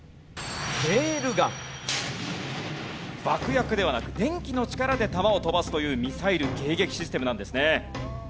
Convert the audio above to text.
爆薬ではなく電気の力で弾を飛ばすというミサイル迎撃システムなんですね。